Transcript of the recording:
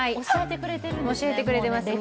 教えてくれてます。